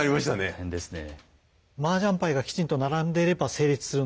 大変ですね。